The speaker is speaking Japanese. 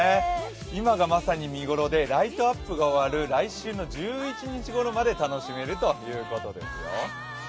今がまさに見頃で、ライトアップが終わる来週の１１日ごろまで楽しめるということですよ。